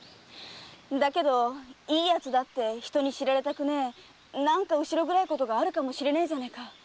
だけどいい奴だって人に知られたくねえなんか後ろ暗いことがあるかもしれねえじゃねえか。